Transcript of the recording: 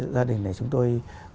gia đình này chúng tôi